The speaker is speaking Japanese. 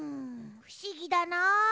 ふしぎだな。